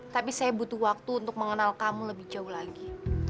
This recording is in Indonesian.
tapi saya butuh waktu untuk mengenal kamu lebih jauh lagi